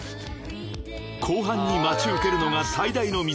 ［後半に待ち受けるのが最大の見せ場］